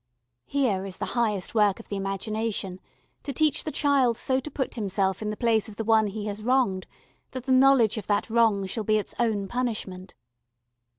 Here is the highest work of the imagination: to teach the child so to put himself in the place of the one he has wronged that the knowledge of that wrong shall be its own punishment.